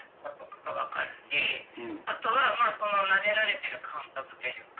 あとはまぁそのなでられてる感覚というか。